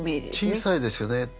小さいですよね。